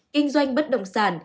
kinh doanh bất động sản